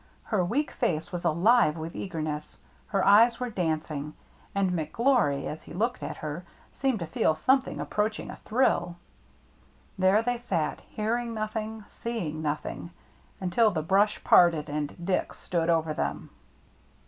Her weak face was alive with eagerness, her eyes were dancing. And McGlory, as he looked at her, seemed to feel something approaching a thrill. There they sat, hearing nothing, seeing nothing, until the brush parted and Dick stood over them.